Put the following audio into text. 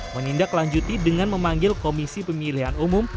menindaklanjuti dengan memanggil komisi pemilihan umum